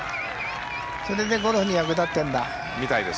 それがゴルフに役立ってるんだ。